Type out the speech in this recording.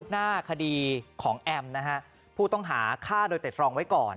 หน้าคดีของแอมนะฮะผู้ต้องหาฆ่าโดยแต่ตรองไว้ก่อน